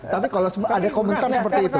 tapi kalau ada komentar seperti itu